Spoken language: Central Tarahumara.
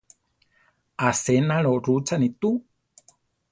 Asénaro rutzane tú.